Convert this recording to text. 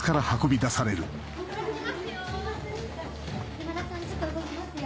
ヤマダさんちょっと動きますよ。